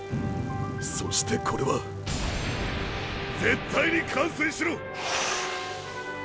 そしてこれは絶対に完遂しろ！